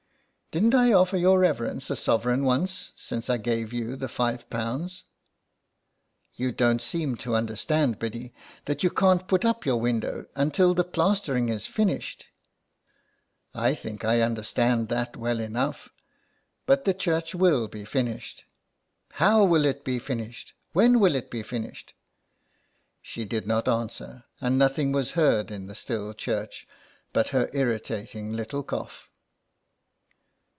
'' Didn't I offer your reverence a sovereign once since I gave you the five pounds." '' You don't seem to understand, Biddy, that you can't put up your window until the plastering is finished." '* I think I understand that well enough, but the church will be finished." " How will it be finished ? When will it be finished?" She did not answer, and nothing was heard in the still church but her irritating little cough.